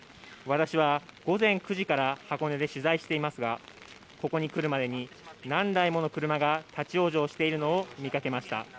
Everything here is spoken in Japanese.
私は午前９時から箱根で取材していますがここに来るまでに何台もの車が立往生しているのを見かけました。